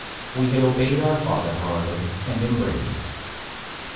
We had obeyed our father, however, and embraced.